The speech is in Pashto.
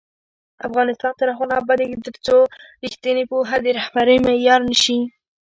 افغانستان تر هغو نه ابادیږي، ترڅو ریښتینې پوهه د رهبرۍ معیار نه شي.